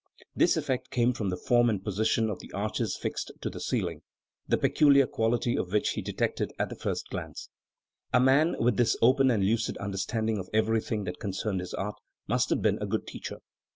This effect came from the form and position of the arches fixed to th'e ceiling, the peculiar quality of which he detected at the first glance*." A man with this open and lucid understanding of every thing that concerned his art must have been a good teacher.